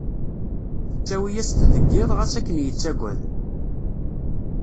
Tettawi-yas-t deg iḍ, ɣas akken yettwaggad.